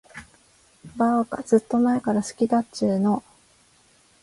ばーか、ずーっと前から好きだっちゅーの。